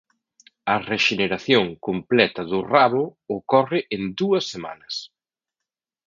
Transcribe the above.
A rexeneración completa do rabo ocorre en dúas semanas.